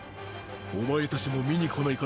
お前たちも見に来ないか？